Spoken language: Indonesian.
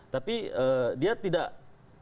tapi dia tidak orang yang berpikir